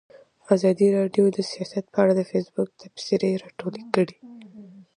ازادي راډیو د سیاست په اړه د فیسبوک تبصرې راټولې کړي.